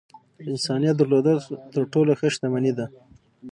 انسانيت درلودل تر ټولو ښۀ شتمني ده .